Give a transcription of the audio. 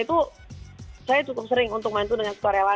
itu saya cukup sering untuk membantu dengan sukarela